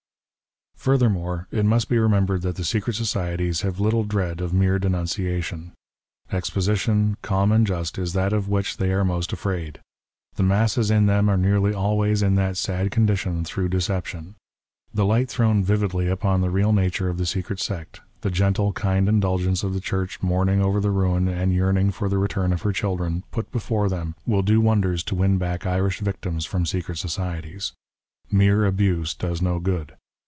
Purthermore, it must be remembered that secret societies have little dread of mere denunciation. Exposi tion, calm and just, is that of which they are most afraid. The masses in them are nearly always in that sad condition through deception. The light thrown vividly upon the real nature of the secret sect; the gentle, kind indulgence of the Church mournino^ over the ruin and yearning for the return of her children, put before tliem, will do wonders to win back Irish victims from secret societies. Mere abuse does no good.